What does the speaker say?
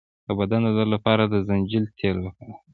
د بدن درد لپاره د زنجبیل تېل وکاروئ